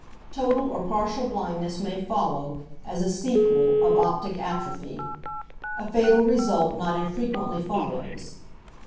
Total or partial blindness may follow as a sequel of optic atrophy. A fatal result not infrequently follows.